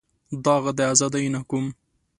داغ د ازادۍ نه کوم.